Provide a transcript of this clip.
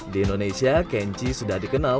di indonesia kenchi sudah dikenal